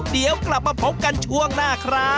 เดี๋ยวกลับมาพบกันช่วงหน้าครับ